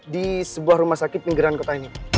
di sebuah rumah sakit pinggiran kota ini